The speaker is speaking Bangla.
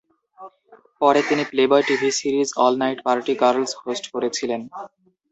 পরে তিনি Playboy TV series "All Night Party Girls" host করেছিলেন।